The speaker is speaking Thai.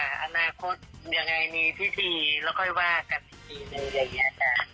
และอนาคตยังไงนี้พิธีและค่อยว่ากันพิธีหรืออย่างเงี้ยนอะ